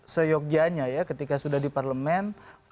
seyogianya ya ketika sudah di parlemen ya